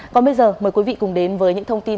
còn bây giờ mời quý vị cùng đến với những thông tin